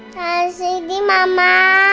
kasih di mama